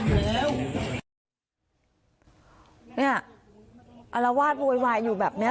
เนี่ยอารวาสโวยวายอยู่แบบเนี้ย